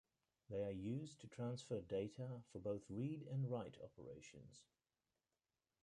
They are used to transfer data for both read and write operations.